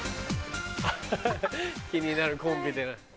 気になるコンビで。